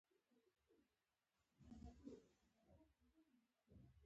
روغتون هم اسان نه و: